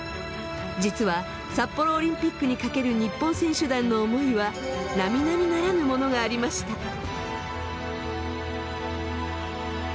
実は札幌オリンピックにかける日本選手団の思いは並々ならぬものがありました。